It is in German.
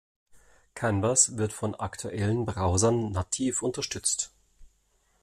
Canvas wird von aktuellen Browsern nativ unterstützt.